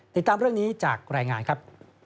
ติดตามเรื่องนี้จากรายงานครับ